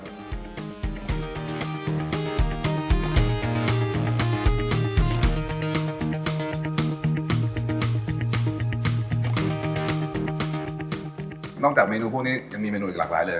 นอกจากเมนูพวกนี้ยังมีเมนูอีกหลากหลายเลย